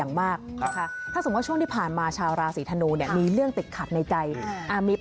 ในช่วงช่วงปีใหม่